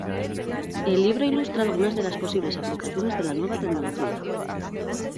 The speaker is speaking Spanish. El libro ilustra algunas de las posibles aplicaciones de la nueva tecnología.